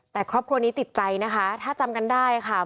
แต่ครอบครัวนี้ติดใจนะคะถ้าจำกันได้ค่ะ